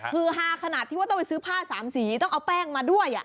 คือฮาขนาดที่ว่าต้องไปซื้อผ้าสามสีต้องเอาแป้งมาด้วย